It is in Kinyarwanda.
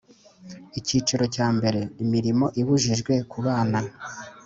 Icyiciro cya mbere Imirimo ibujijwe ku bana